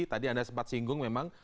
tadi anda sempat singgung memang